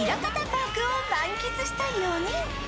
パークを満喫した４人。